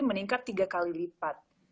jadi meningkat tiga kali lipat